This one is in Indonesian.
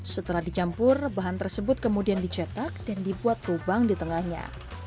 setelah dicampur bahan tersebut kemudian dicetak dan dibuat lubang di tengahnya